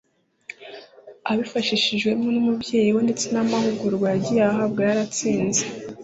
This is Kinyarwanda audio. abifashijwemo n’umubyeyi we ndetse n’amahugurwa yagiye ahabwa yaratsinze,